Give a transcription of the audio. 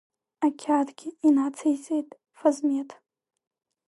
Ақьаадгьы, инациҵеит Фазмеҭ.